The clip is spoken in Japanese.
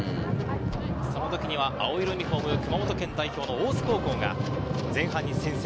その時には青いユニホーム熊本県代表の大津高校が前半に先制。